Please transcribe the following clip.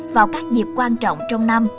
vào các dịp quan trọng trong năm